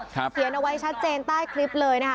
เขียนเอาไว้ชัดเจนใต้คลิปเลยนะคะ